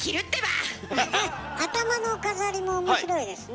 頭の飾りもおもしろいですね。